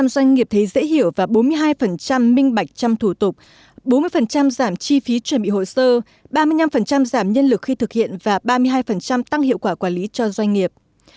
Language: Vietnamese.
một mươi doanh nghiệp thấy dễ hiểu và bốn mươi hai minh bạch trăm thủ tục bốn mươi giảm chi phí chuẩn bị hồ sơ ba mươi năm giảm nhân lực khi thực hiện và ba mươi hai tăng hiệu quả quản lý cho doanh nghiệp